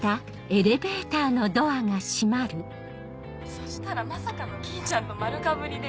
そしたらまさかのきいちゃんと丸かぶりで。